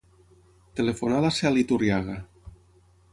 Telefona a la Cel Iturriaga.